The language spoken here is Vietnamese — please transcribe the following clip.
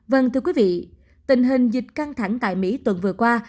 vâng thưa quý vị tình hình dịch căng thẳng tại mỹ tuần vừa qua